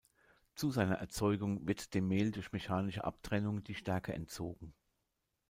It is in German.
Zu seiner Erzeugung wird dem Mehl durch mechanische Abtrennung die Stärke entzogen.